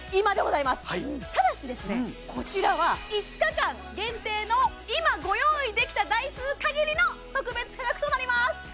こちらは５日間限定の今ご用意できた台数かぎりの特別価格となります